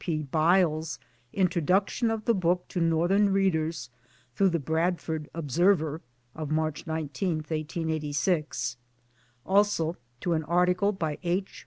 P. Byles' introduction of the book to Northern readers through the Bradford Observer (of March 19, 1886) ; also to an article by H.